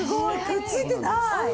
くっついてない！